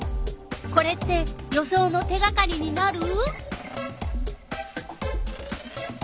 これって予想の手がかりになる？